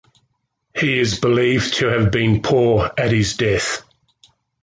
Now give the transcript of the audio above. He is believed to have been poor at his death.